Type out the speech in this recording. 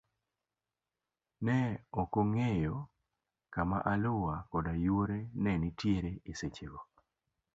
Ne okong'eyo kama Alua koda yuore ne nitiere e seche go.